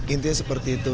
intinya seperti itu